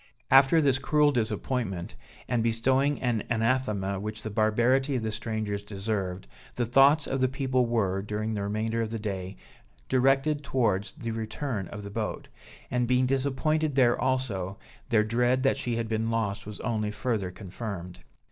After this cruel disappointment, and bestowing an anathema which the barbarity of the strangers deserved, the thoughts of the people were, during the remainder of the day, directed towards the return of the boat; and being disappointed there also, their dread that she had been lost was only further confirmed.